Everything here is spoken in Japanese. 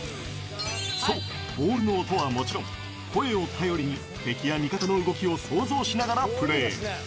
そう、ボールの音はもちろん、声を頼りに敵や味方の動きを想像しながらプレー。